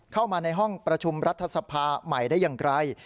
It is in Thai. เข้ามาในห้องประชุมรัฐสภาใหม่ได้อย่างไร